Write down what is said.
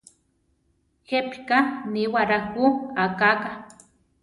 ¿Jepíka níwara jú akáka?